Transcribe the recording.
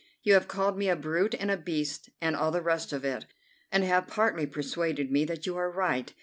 You have called me a brute and a beast and all the rest of it, and have partly persuaded me that you are right.